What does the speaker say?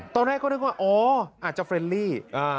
ตอนแรกก็นึกว่าอ๋ออาจจะเฟรนลี่